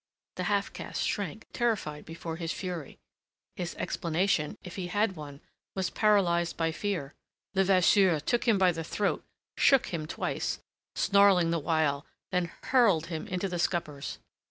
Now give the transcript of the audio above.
The half caste shrank terrified before his fury. His explanation, if he had one, was paralyzed by fear. Levasseur took him by the throat, shook him twice, snarling the while, then hurled him into the scuppers.